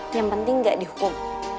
yang penting gak dihukum